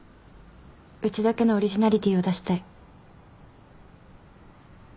うちだけのオリジナリティーを出したい。